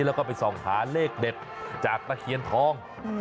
แล้วก็ไปส่องหาเลขเด็ดจากตะเคียนทอง